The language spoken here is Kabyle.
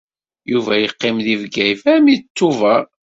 Yuba yeqqim deg Bgayet armi d Tubeṛ.